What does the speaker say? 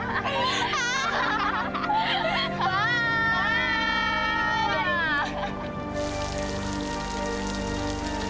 aduh kasihan lagi hujan hujanan ya